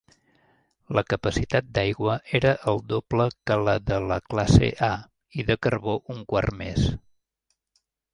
La capacitat d'aigua era el doble que la de la classe A i de carbó un quart més.